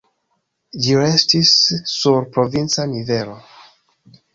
Ĝi restis sur provinca nivelo.